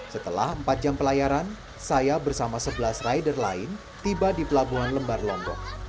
setelah empat jam pelayaran saya bersama sebelas rider lain tiba di pelabuhan lembar lombok